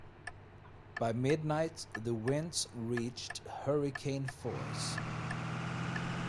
By midnight the winds reached hurricane force.